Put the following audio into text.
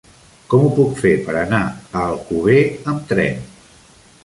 Com ho puc fer per anar a Alcover amb tren?